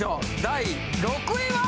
第６位は？